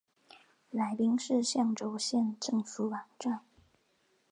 来宾市象州县政府网站